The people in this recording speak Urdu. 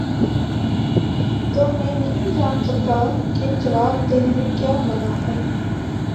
تو میں نہیں جان سکا کہ جواب دینے میں کیا مانع ہے؟